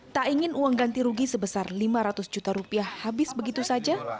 tak ingin uang ganti rugi sebesar lima ratus juta rupiah habis begitu saja